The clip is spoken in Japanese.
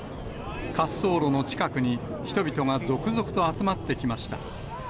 滑走路の近くに、人々が続々と集まってきました。